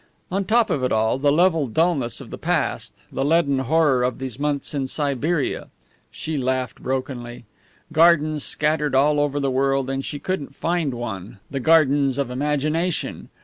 On top of all, the level dullness of the past, the leaden horror of these months in Siberia. She laughed brokenly. Gardens scattered all over the world, and she couldn't find one the gardens of imagination!